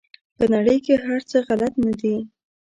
په نړۍ کې هر څه غلط نه دي.